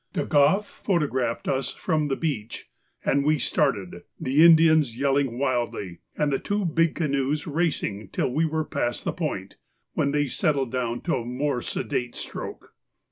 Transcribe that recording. De Groff photographed us from the beach, and we started, the Indians yelling wildly, and the two big canoes racing till we were past the point, when they settled down to a more sedate stroke.